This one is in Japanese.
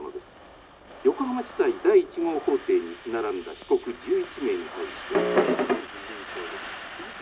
横浜地裁第一号法廷に居並んだ被告１１名に対し」。